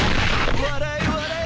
笑え笑え！